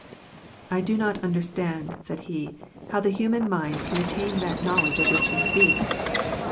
" I do not understand," said he, " how the human mind can attain that knowledge of which you speak."